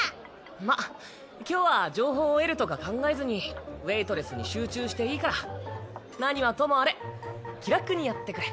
まっ今日は情報を得るとか考えずにウエイトレスに集中していいから。何はともあれ気楽にやってくれ。